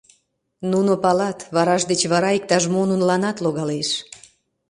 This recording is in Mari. Нуно палат: вараш деч вара иктаж-мо нуныланат логалеш.